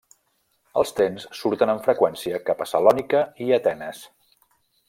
Els trens surten amb freqüència cap a Salònica i Atenes.